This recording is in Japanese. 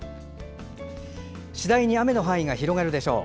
次第に雨の範囲が広がるでしょう。